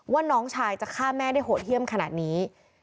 น้องชายจะฆ่าแม่ได้โหดเยี่ยมขนาดนี้